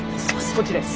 こっちです。